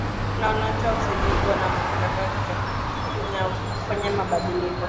na wananchi wakusudie kuwa na mchakato wa kufanya mabadiliko